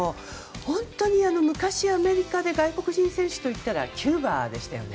本当に昔アメリカで外国人選手といったらキューバでしたよね。